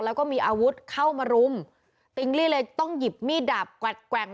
แล้วก็มีอาวุธเข้ามารุมติงลี่เลยต้องหยิบมีดดาบกวัดแกว่ง